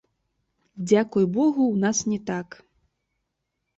Дзякуй богу, у нас не так.